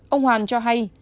ông hoàn cho hay